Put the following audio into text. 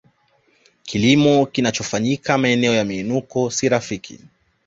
Kilimo kinachofanyika maeneo ya miinuko si rafiki